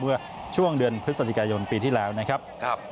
เมื่อช่วงเดือนพฤศจิกายนปีที่แล้วนะครับ